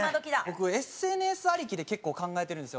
僕ＳＮＳありきで結構考えてるんですよ。